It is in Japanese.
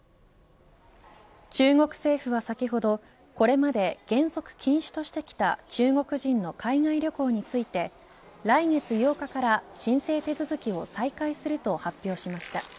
中国政府は先ほどこれまで原則禁止としてきた中国人の海外旅行について来月８日から申請手続きを再開すると発表しました。